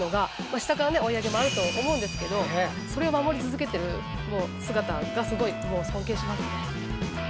下からね追い上げもあると思うんですけどそれを守り続けてる姿がすごい尊敬しますね。